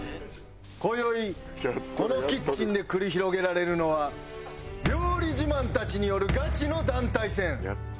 今宵このキッチンで繰り広げられるのは料理自慢たちによるガチの団体戦。